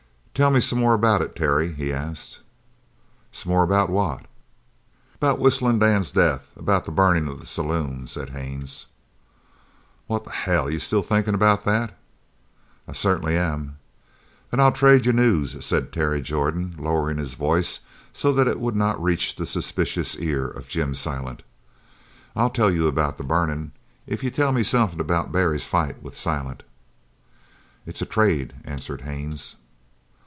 "Tell me some more about it, Terry," he asked. "Some more about what?" "About Whistling Dan's death about the burning of the saloon," said Haines. "What the hell! Are you still thinkin' about that?" "I certainly am." "Then I'll trade you news," said Terry Jordan, lowering his voice so that it would not reach the suspicious ear of Jim Silent. "I'll tell you about the burnin' if you'll tell me something about Barry's fight with Silent!" "It's a trade," answered Haines.